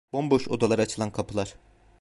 Bomboş odalara açılan kapılar…